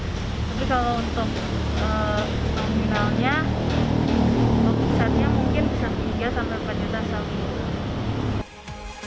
tapi kalau untuk nominalnya untuk pisatnya mungkin bisa tiga sampai empat juta saling